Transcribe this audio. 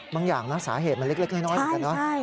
บางอย่างนะสาเหตุมันเล็กน้อยกันเนอะใช่